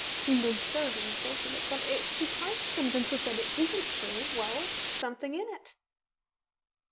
Seemed absurd on the face of it. But if she tries to convince us that it isn't true well, something in it."